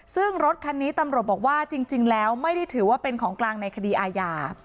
ซึ่งรถคันนี้ตำรวจบอกว่าจริงแล้วไม่ได้ถือว่าเป็นของกลางในคดีอาญา